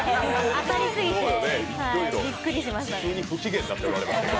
当たりすぎてびっくりしました。